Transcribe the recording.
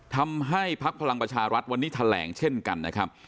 ทำให้พลักษณ์พลังประชารัฐวันนี้แถลงเช่นกันนะครับ